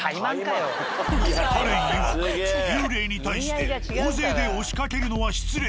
カレンいわく幽霊に対して大勢で押しかけるのは失礼。